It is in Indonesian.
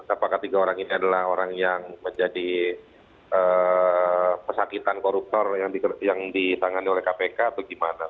apakah tiga orang ini adalah orang yang menjadi pesakitan koruptor yang ditangani oleh kpk atau gimana